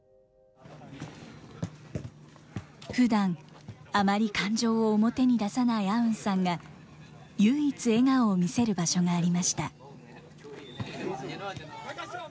ふだん、あまり感情を表に出さないアウンさんが、唯一笑顔を見せる場所が